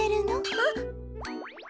あっ。